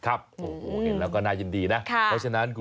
ครับเห็นแล้วก็น่ายินดีนะ